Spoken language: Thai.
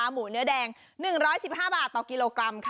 หมูเนื้อแดง๑๑๕บาทต่อกิโลกรัมค่ะ